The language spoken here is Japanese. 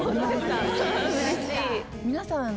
皆さんの。